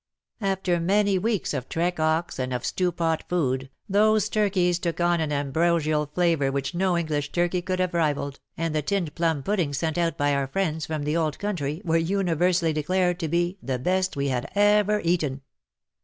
After many weeks of trek ox and of stew pot food, those turkeys took on an ambrosial flavour which no English turkey could have rivalled, and the tinned plum puddings sent out by our friends from the old country were universally declared to be "the best we had ever eaten."